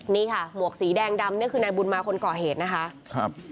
นี่ค่ะหมวกสีแดงดำเนี่ยคือนายบุญมาคนก่อเหตุนะคะครับ